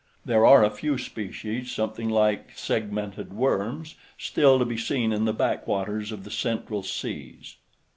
There are a few species, something like segmented worms, still to be seen in the backwaters of the central seas.